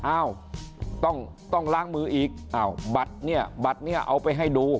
อ้าวต้องล้างมืออีกอ้าวบัตรเนี่ยบัตรนี้เอาไปให้ดู